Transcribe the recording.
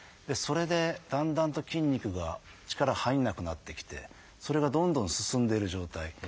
それでだんだんと筋肉が力入らなくなってきてそれがどんどん進んでいる状態。